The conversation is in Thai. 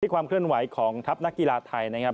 ความเคลื่อนไหวของทัพนักกีฬาไทยนะครับ